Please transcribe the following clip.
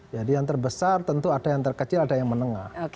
jadi yang terbesar tentu ada yang terkecil ada yang menengah